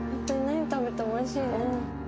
何食べてもおいしいね。